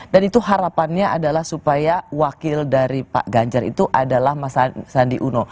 dan itu harapannya adalah supaya wakil dari pak ganjar itu adalah mas sandi uno